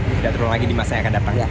tidak terlalu lagi di masa yang akan datang